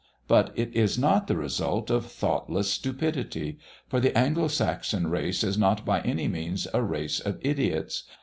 But it is not the result of thoughtless stupidity; for the Anglo Saxon race is not by any means a race of idiots.